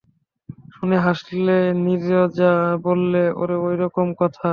শুনে হাসলে নীরজা, বললে, ওর ঐরকম কথা।